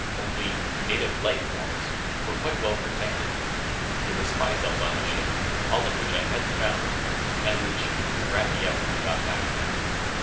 Only "native life forms" were quite well protected. There were spy cells on my ship, all of which I hadn't found, that would cheerfully rat on me when I got back.